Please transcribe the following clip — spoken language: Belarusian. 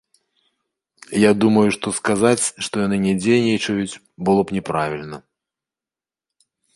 Я думаю, што сказаць, што яны не дзейнічаюць, было б няправільна.